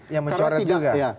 ya mencoret juga